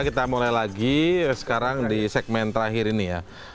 kita mulai lagi sekarang di segmen terakhir ini ya